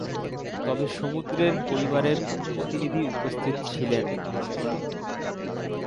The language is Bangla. তবে সমুদ্রের পরিবারের কোনো প্রতিনিধি উপস্থিত ছিলেন না।